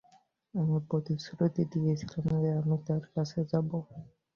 আমি প্রতিশ্রুতি দিয়েছিলাম যে আমি তার কাছে যাবো।